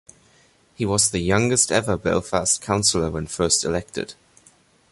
He was the youngest ever Belfast councillor when first elected.